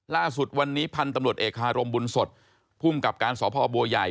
ล่าสุดวันนี้พันธุ์ตำรวจเอกฮารมบุญสดภูมิกับการสพบัวใหญ่